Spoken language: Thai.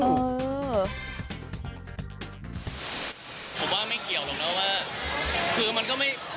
ผมว่าไม่เกี่ยวหรอกนะว่า